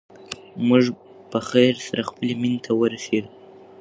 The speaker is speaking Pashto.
موږ په خیر سره خپلې مېنې ته ورسېدو.